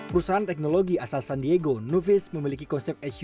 perusahaan teknologi asal san diego nuvis memiliki konsep hud yang berbeda